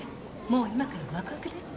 もう今からワクワクです。